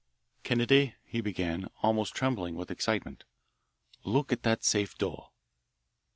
"Kennedy," he began, almost trembling with excitement, "look at that safe door."